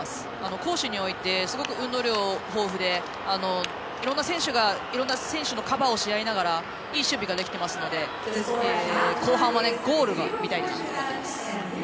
攻守においてすごく運動量が豊富でいろんな選手が、いろんな選手のカバーをし合いながらいい守備ができていますので後半はゴールが見たいと思います。